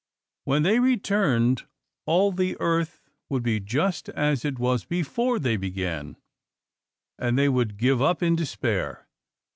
When they returned, all the earth would be just as it was before they began, and they would give up in despair.